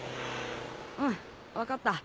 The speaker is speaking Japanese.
うん分かった。